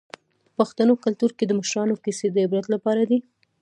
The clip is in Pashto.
د پښتنو په کلتور کې د مشرانو کیسې د عبرت لپاره دي.